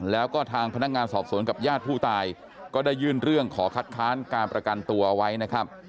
แล้วก็ทางพนักงานสอบสวนกับญาติผู้ตายก็ได้ยื่นเรื่องขอคัดค้านการประกันตัวไว้นะครับ